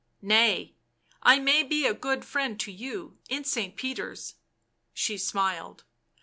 " Nay, I may be a good friend to you — in St. Peter's." She smiled.